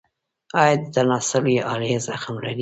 ایا د تناسلي آلې زخم لرئ؟